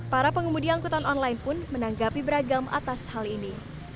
para pengemudi angkutan online pun menanggapi beragam atas hal ini